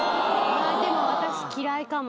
でも私嫌いかも。